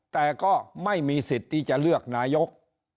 แต่ก็ไม่มีสิทธิ์ที่จะเลือกนายก